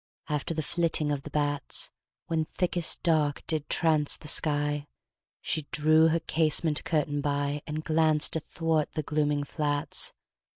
After the flitting of the bats, When thickest dark did trance the sky, She drew her casement curtain by, And glanced athwart the glooming flats.